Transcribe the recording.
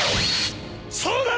そうだろ！